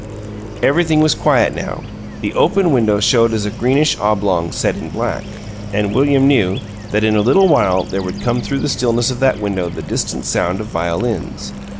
Everything was quiet now. The open window showed as a greenish oblong set in black, and William knew that in a little while there would come through the stillness of that window the distant sound of violins.